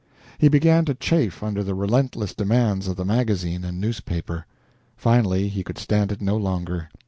He began to chafe under the relentless demands of the magazine and newspaper. Finally he could stand it no longer.